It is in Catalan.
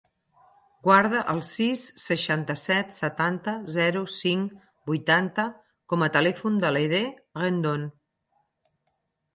Guarda el sis, seixanta-set, setanta, zero, cinc, vuitanta com a telèfon de l'Aidé Rendon.